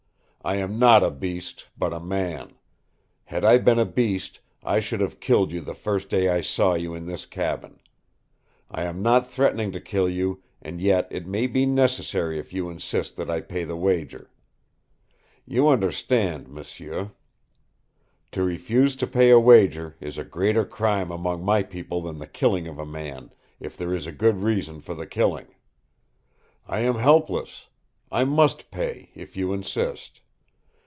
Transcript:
I am not a beast, but a man. Had I been a beast, I should have killed you the first day I saw you in this cabin. I am not threatening to kill you, and yet it may be necessary if you insist that I pay the wager. You understand, m'sieu. To refuse to pay a wager is a greater crime among my people than the killing of a man, if there is a good reason for the killing. I am helpless. I must pay, if you insist.